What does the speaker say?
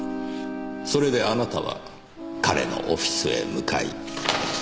それであなたは彼のオフィスへ向かい。